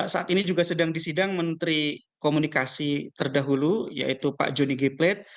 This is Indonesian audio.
saat ini juga sedang disidang menteri komunikasi terdahulu yaitu pak joni g plat